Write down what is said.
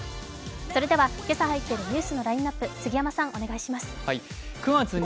それでは今朝入っているニュースのラインナップ、杉山さん、お願いします。